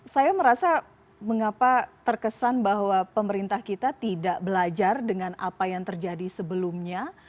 saya merasa mengapa terkesan bahwa pemerintah kita tidak belajar dengan apa yang terjadi sebelumnya